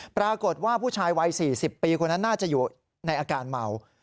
ปรากฏว่าผู้ชายวัย๔๐ปีคนนั้นน่าจะอยู่ในอาการเมา